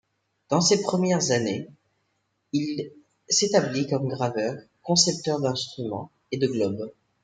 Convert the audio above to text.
Dans ses premières années, il s'établit comme graveur, concepteur d'instruments et de globes.